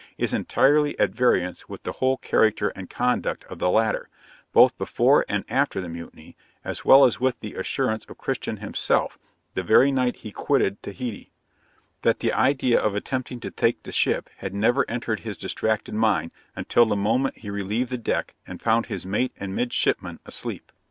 is entirely at variance with the whole character and conduct of the latter, both before and after the mutiny; as well as with the assurance of Christian himself, the very night he quitted Taheité, that the idea of attempting to take the ship had never entered his distracted mind, until the moment he relieved the deck, and found his mate and midshipman asleep.